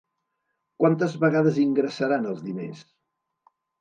Quantes vegades ingressaran els diners?